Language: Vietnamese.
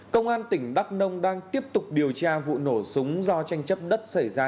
công an tỉnh đắk nông đang tiếp tục điều tra vụ nổ súng do tranh chấp đất xảy ra